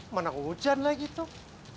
mana hujan lagi tuh